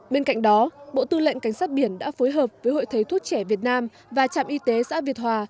bên cạnh đó bộ tư lệnh cảnh sát biển đã phối hợp với hội thầy thuốc trẻ việt nam và trạm y tế xã việt hòa